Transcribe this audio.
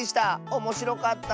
おもしろかった。